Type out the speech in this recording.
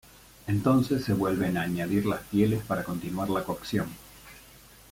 Entonces se vuelven a añadir las pieles para continuar la cocción.